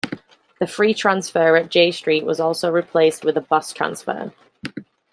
The free transfer at Jay Street was also replaced with a bus transfer.